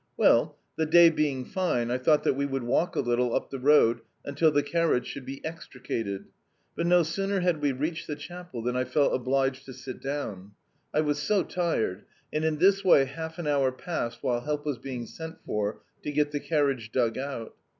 Well, the day being fine, I thought that we would walk a little up the road until the carriage should be extricated, but no sooner had we reached the chapel than I felt obliged to sit down, I was so tired, and in this way half an hour passed while help was being sent for to get the carriage dug out.